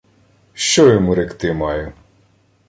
— Що йому ректи маю?